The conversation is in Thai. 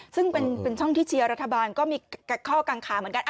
ซึ่งเป็นช่องที่เชียร์รัฐบาลก็มีข้อกังขาเหมือนกัน